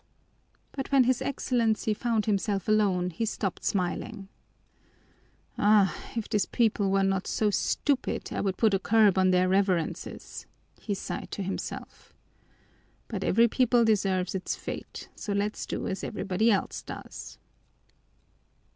But when his Excellency found himself alone he stopped smiling. "Ah, if this people were not so stupid, I would put a curb on their Reverences," he sighed to himself. "But every people deserves its fate, so let's do as everybody else does."